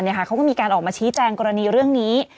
เขาก็มีการออกมาชี้แจงกรณีเรื่องนี้